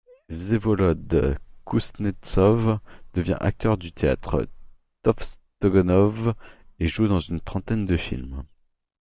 Vsevolod Kouznetsov devient acteur du Théâtre Tovstonogov et joue dans une trentaine de films.